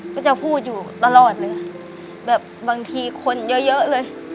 ก็จะพูดอยู่ตลอดเลยแบบบางทีคนเยอะเยอะเลย